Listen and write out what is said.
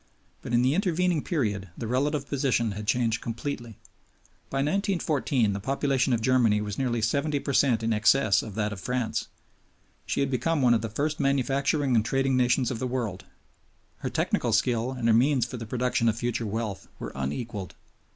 But in the intervening period the relative position had changed completely. By 1914 the population of Germany was nearly seventy per cent in excess of that of France; she had become one of the first manufacturing and trading nations of the world; her technical skill and her means for the production of future wealth were unequaled.